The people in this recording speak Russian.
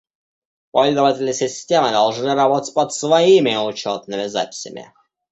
Пользователи системы должны работать под своими учетными записями